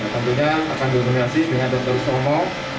tentunya akan dihukum dengan dokter somo